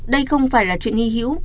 đây không phải là chuyện nghi hiểu